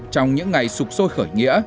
trong những ngày sụp sôi khởi